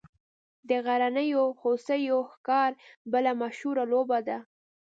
د غرنیو هوسیو ښکار بله مشهوره لوبه ده